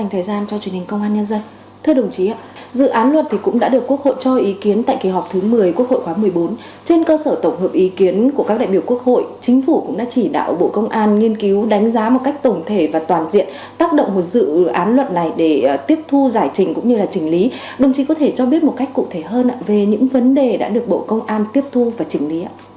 thưa đồng chí dự án luật cũng đã được quốc hội cho ý kiến tại kỳ họp thứ một mươi quốc hội khóa một mươi bốn trên cơ sở tổng hợp ý kiến của các đại biểu quốc hội chính phủ cũng đã chỉ đạo bộ công an nghiên cứu đánh giá một cách tổng thể và toàn diện tác động một dự án luật này để tiếp thu giải trình cũng như là trình lý đồng chí có thể cho biết một cách cụ thể hơn về những vấn đề đã được bộ công an tiếp thu và trình lý